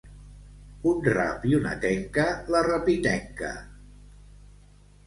Un rap i una tenca, la rapitenca.